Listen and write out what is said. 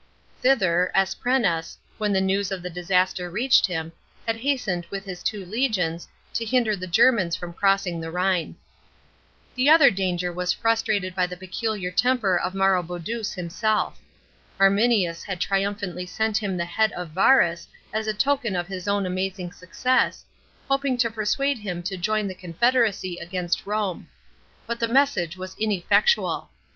Thither Asprenas, when the news of the disaster reached him, had hastened with his two legions, to hinder the Germans from crossing the Rhine. The other danger was frustrated by the peculiar temper of Marotx>duus himself. Arminius had triumphantly sent him the 9 A.D. DEFEAT OF VARUS. 137 head of Varus as a token of his own amazing success, hoping to persuade him to join the confederacy against Rome. But the message was ineffectual.